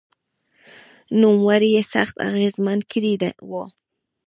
نوموړي یې سخت اغېزمن کړی و